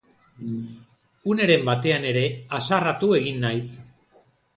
Uneren batean ere hasarretu egin naiz.